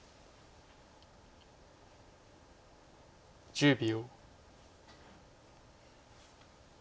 １０秒。